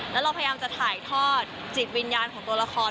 แล้วเราพยายามจะถ่ายทอดจิตวิญญาณของตัวละคร